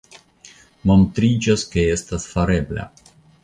Montriĝas, ke estas farebla.